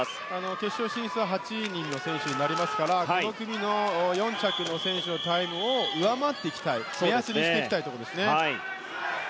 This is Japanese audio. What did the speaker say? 決勝進出は８人の選手になりますからこの組の４着の選手のタイムを上回っていきたい目安にしていきたいところですね。